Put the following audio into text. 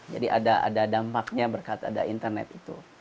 jadi ada dampaknya berkat ada internet itu